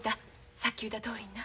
さっき言うたとおりにな。